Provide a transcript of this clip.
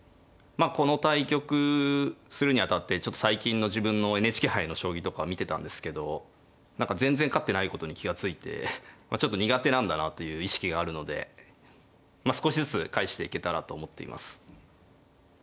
あこの対局するにあたってちょっと最近の自分のＮＨＫ杯の将棋とかを見てたんですけど何か全然勝ってないことに気が付いてちょっと苦手なんだなという意識があるので少しずつ返していけたらと思っています。